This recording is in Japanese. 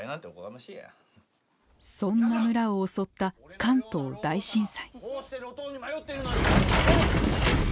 そんな村を襲った関東大震災。